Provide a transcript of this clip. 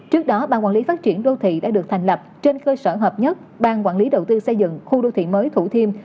trước đó ban quản lý phát triển đô thị đã được thành lập trên cơ sở hợp nhất ban quản lý đầu tư xây dựng khu đô thị mới thủ thiêm